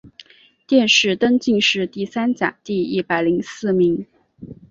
殿试登进士第三甲第一百零四名。